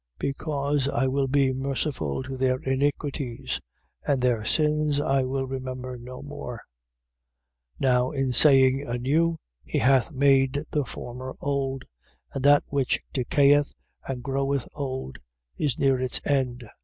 Because I will be merciful to their iniquities: and their sins I will remember no more. 8:13. Now in saying a new, he hath made the former old. And that which decayeth and groweth old is near its end.